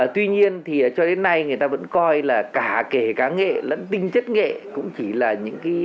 tuy nhiên thì cho đến nay người ta vẫn coi là cả kể cả nghệ lẫn tinh chất nghệ cũng chỉ là những cái